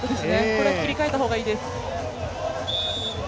これは切り替えた方がいいです。